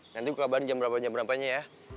nanti gue kabarin jam berapa jam berapanya ya